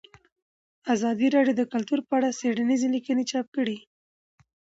ازادي راډیو د کلتور په اړه څېړنیزې لیکنې چاپ کړي.